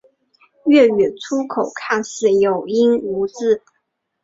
粤语粗口看似有音无字。